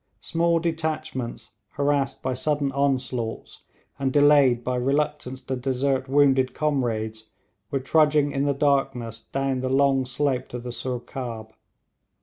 Small detachments, harassed by sudden onslaughts, and delayed by reluctance to desert wounded comrades, were trudging in the darkness down the long slope to the Soorkhab.